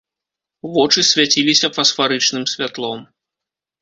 Вочы свяціліся фасфарычным святлом.